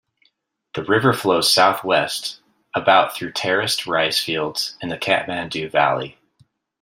The river flows southwest about through terraced rice fields in the Kathmandu Valley.